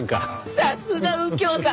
さすが右京さん！